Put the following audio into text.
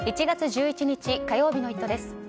１月１１日、火曜日の「イット！」です。